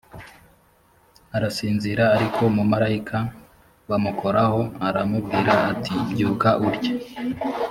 arasinzira ariko umumarayika b amukoraho aramubwira ati byuka urye